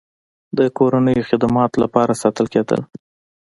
د کورنیو خدماتو لپاره ساتل کېدل.